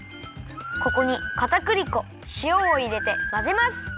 ここにかたくり粉しおをいれてまぜます。